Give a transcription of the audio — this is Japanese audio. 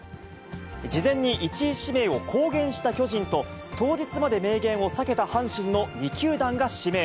事前に１位指名を公言した巨人と、当日まで明言を避けた阪神の２球団が指名。